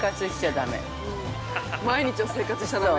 毎日を生活しちゃだめ。